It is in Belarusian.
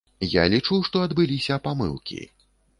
Я лічу, што адбыліся памылкі.